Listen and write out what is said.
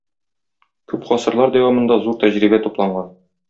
Күп гасырлар дәвамында зур тәҗрибә тупланган.